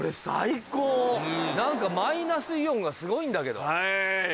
何かマイナスイオンがすごいんだけど。